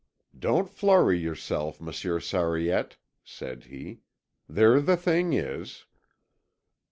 "Don't flurry yourself, Monsieur Sariette," said he. "There the thing is."